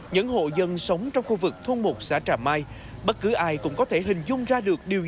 những hộ dân sống trong khu vực thôn một xã trà mai bất cứ ai cũng có thể hình dung ra được điều gì